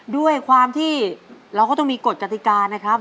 ด้วยความที่เราก็ต้องมีกฎกติกานะครับ